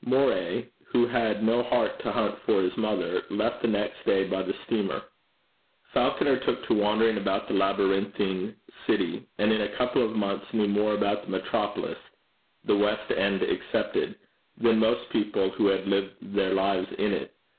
Moray, who had no heart to hunt for his mother, left the next day by the steamer. Falconer took to wandering about the labyrinthine city, and in a couple of months knew more about the metropolis the west end excepted than most people who had lived their lives in it.